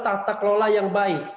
tata kelola yang baik